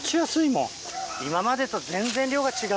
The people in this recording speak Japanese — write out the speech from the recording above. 今までと全然量が違う。